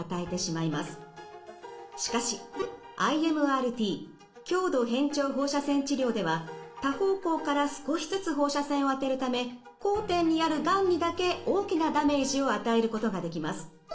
しかしＩＭＲＴ強度変調放射線治療では多方向から少しずつ放射線を当てるため交点にあるがんにだけ大きなダメージを与えることができます。